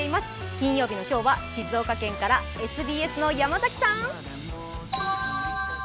金曜日の今日は静岡県からＳＢＳの山崎さん。